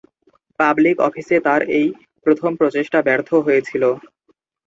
Public অফিসে তাঁর এই প্রথম প্রচেষ্টা ব্যর্থ হয়েছিল।